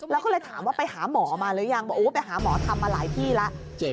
แล้วก็เลยถามว่าไปหาหมอมาหรือยังบอกโอ้ไปหาหมอทำมาหลายที่แล้ว